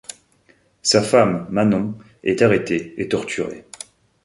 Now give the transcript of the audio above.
Sa femme Manon est arrêtée et torturée.